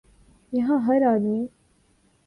یہاں ہر آدمی